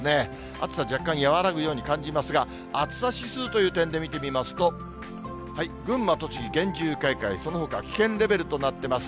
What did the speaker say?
暑さ若干和らぐように感じますが、暑さ指数という点で見てみますと、群馬、栃木、厳重警戒、そのほかは危険レベルとなってます。